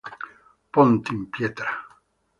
Ponte in pietra